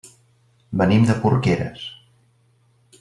Venim de Porqueres.